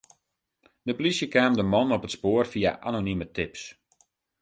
De polysje kaam de man op it spoar fia anonime tips.